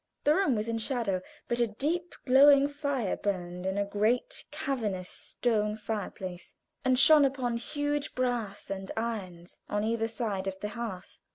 The room was in shadow; but a deep glowing fire burned in a great cavernous, stone fire place, and shone upon huge brass andirons on either side of the hearth.